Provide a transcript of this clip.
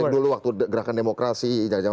dulu waktu gerakan demokrasi